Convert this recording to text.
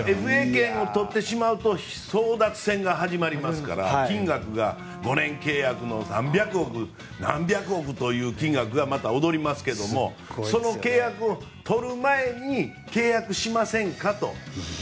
ＦＡ権を取ってしまうと争奪戦が始まりますから金額が５年契約の何百億という金額がまた踊りますけれどもその契約を取る前に契約しませんか？と。